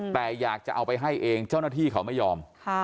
แต่อยากจะเอาไปให้เองเจ้าหน้าที่เขาไม่ยอม